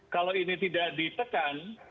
kalau ini tidak ditekan